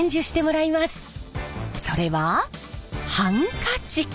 それはハンカチ！